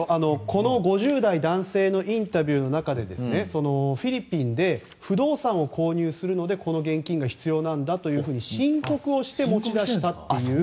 ５０代男性のインタビューの中でフィリピンで不動産を購入するのでこの現金が必要なんだと申告をして持ち出したという。